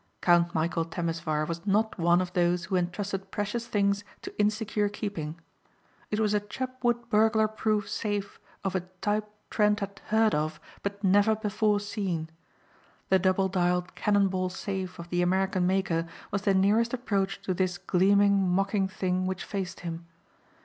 Count Michæl Temesvar was not one of those who entrusted precious things to insecure keeping. It was a Chubbwood burglar proof safe of a type Trent had heard of but never before seen. The double dialled cannon ball safe of the American maker was the nearest approach to this gleaming mocking thing which faced him.